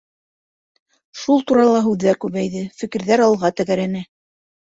Шул турала һүҙҙәр күбәйҙе, фекерҙәр алға тәгәрәне.